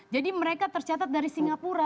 mereka tercatat dari singapura